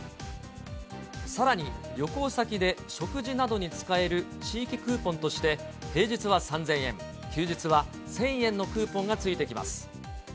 さらに、旅行先で食事などに使える地域クーポンとして、平日は３０００円、休日は１０００円のクーポンがついてきます。